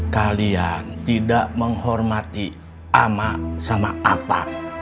kalian tidak menghormati ama sama apa